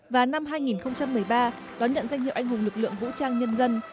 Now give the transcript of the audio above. và năm hai nghìn một mươi ba đón nhận danh hiệu anh hùng lực lượng vũ trang nhân dân